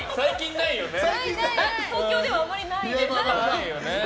東京ではあまりないですか。